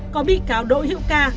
có bị cáo đội hiệu ca